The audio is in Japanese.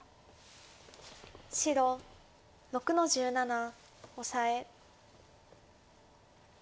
白６の十七オサエ。